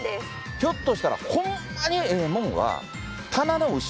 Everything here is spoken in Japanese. ひょっとしたらホンマにええもんは。